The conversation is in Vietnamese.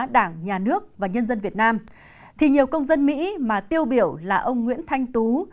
đảng nhà nước và nhân dân việt nam thì nhiều công dân mỹ mà tiêu biểu là ông nguyễn thanh tú